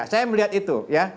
saya melihat itu ya